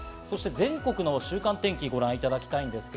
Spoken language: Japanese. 全国の週間天気をご覧いただきます。